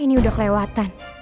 ini udah kelewatan